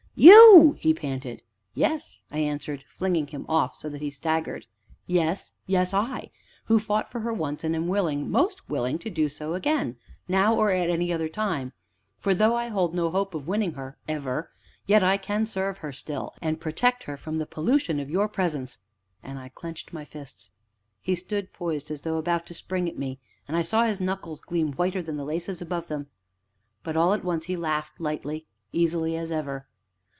you?" he panted. "Yes," I answered, flinging him off so that he staggered; "yes yes! I who fought for her once, and am willing most willing, to do so again, now or at any other time, for, though I hold no hope of winning her ever yet I can serve her still, and protect her from the pollution of your presence," and I clenched my fists. He stood poised as though about to spring at me, and I saw his knuckles gleam whiter than the laces above them, but, all at once, he laughed lightly, easily as ever.